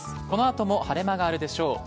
この後も晴れ間があるでしょう。